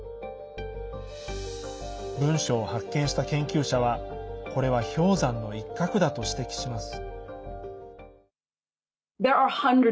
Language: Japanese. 文書を発見した研究者はこれは氷山の一角だと指摘します。